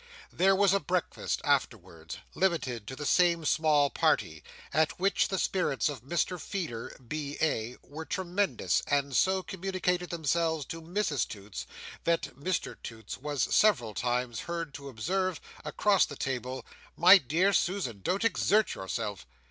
There was a breakfast afterwards, limited to the same small party; at which the spirits of Mr Feeder, B.A., were tremendous, and so communicated themselves to Mrs Toots that Mr Toots was several times heard to observe, across the table, "My dear Susan, don't exert yourself!"